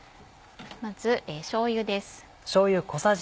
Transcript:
まずしょうゆです。